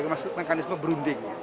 maksudnya mekanisme berunding